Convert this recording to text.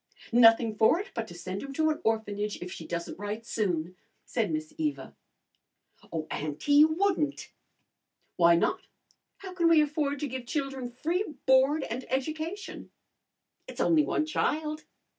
"Nothing for it but to send him to an orphanage if she doesn't write soon," said Miss Eva. "Oh, auntie, you wouldn't!" "Why not? How can we afford to give children free board and education?" "It's only one child."